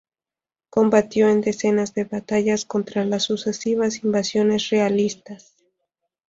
Combatió en decenas de batallas contra las sucesivas invasiones realistas.